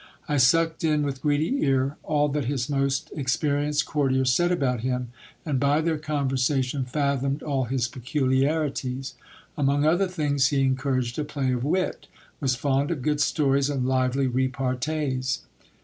I sucked in with greedy ear all that his most experienced courtiers said about him, and by their conversation fathomed all his peculiarities. Among other things, he encouraged a play of wit ; was fond of good stories and lively repartees.